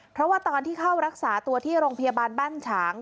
เพราะว่าตอนที่เข้ารักษาตัวที่โรงพยาบาลบ้านฉาง